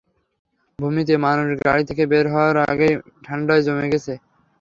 ভূমিতে, মানুষ গাড়ি থেকে বের হওয়ার আগেই ঠান্ডায় জমে গেছে!